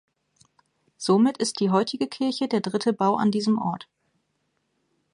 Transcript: Somit ist die heutige Kirche der dritte Bau an diesem Ort.